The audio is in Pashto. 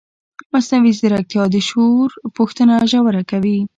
مصنوعي ځیرکتیا د شعور پوښتنه ژوره کوي.